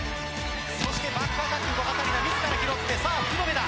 そしてバックアタック古賀紗理那、自ら拾ってさあ福留だ。